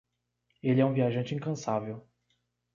Ele é um viajante incansável.